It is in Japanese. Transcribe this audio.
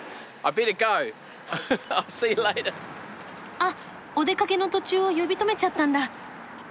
あっお出かけの途中を呼び止めちゃったんだ。